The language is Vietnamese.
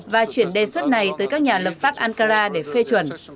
và chuyển đề xuất này tới các nhà lập pháp ankara để phê chuẩn